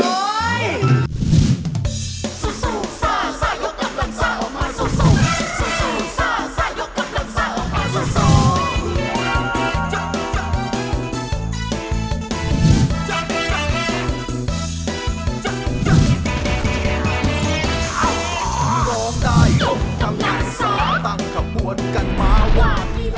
ร้องได้ยกกำลังซ่าตั้งขบวนกันมาแบบนี้